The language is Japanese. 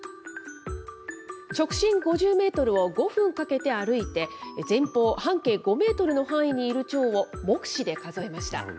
直進５０メートルを５分かけて歩いて、前方、半径５メートルの範囲にいるチョウを目視で数えました。